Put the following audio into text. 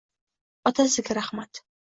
Otasiga rahmat!